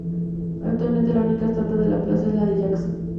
Actualmente, la única estatua de la plaza es la de Jackson.